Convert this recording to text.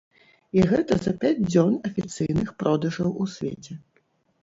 І гэта за пяць дзён афіцыйных продажаў у свеце.